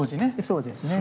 そうですね。